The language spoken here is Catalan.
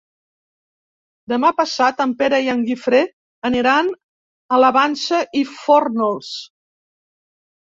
Demà passat en Pere i en Guifré aniran a la Vansa i Fórnols.